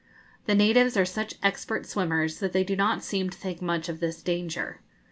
The natives are such expert swimmers that they do not seem to think much of this danger.